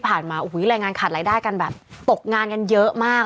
เพราะฉะนั้นการเลือกตั้งของใจมาก